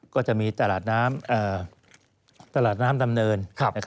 ก็จะมีตลาดน้ำตลาดน้ำดำเนิน